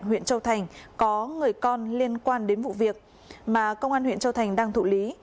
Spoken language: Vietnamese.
huyện châu thành có người con liên quan đến vụ việc mà công an huyện châu thành đang thụ lý